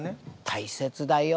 大切だよ。